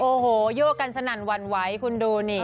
โอ้โหโยกกันสนั่นหวั่นไหวคุณดูนี่